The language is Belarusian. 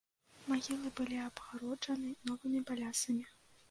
Магілы былі абгароджаны новымі балясамі.